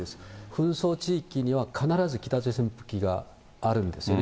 紛争地域には必ず北朝鮮の武器があるんですよね。